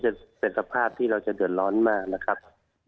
จะเป็นสภาพที่เราจะเดือดร้อนมากนะครับ